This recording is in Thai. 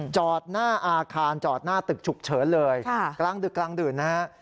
จอดหน้าอาคารจอดหน้าตึกฉุกเฉินเลยกลางดึกนะครับ